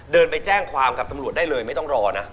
เดินไปแจ้งความกับตำรวจได้เลยไม่ต้องรอนะ